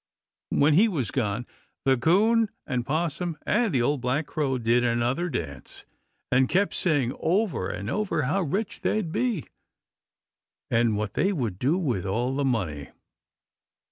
When he was gone the 'Coon and 'Possum and the Old Black Crow did another dance, and kept saying over and over how rich they'd be and what they would do with all the money.